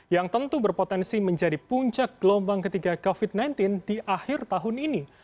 yang tentu berpotensi menjadi puncak gelombang ketiga covid sembilan belas di akhir tahun ini